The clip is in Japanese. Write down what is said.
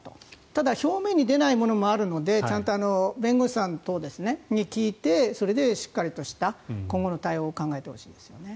ただ、表面に出ないものもあるので弁護士さん等に聞いてそれでしっかりした今後の対応を考えてほしいですね。